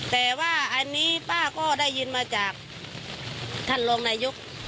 แต่ว่าอันนี้ป้าก็ได้ยินมาจากท่านรองนายก